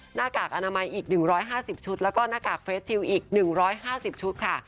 หน้ากากอนามัยอีกหนึ่งร้อยห้าสิบชุดแล้วก็หน้ากากเฟสชิลอีกหนึ่งร้อยห้าสิบชุดค่ะ